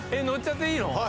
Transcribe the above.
乗っちゃっていいの？